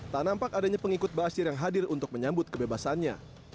tak nampak adanya pengikut baasyir yang hadir untuk menyambut kebebasannya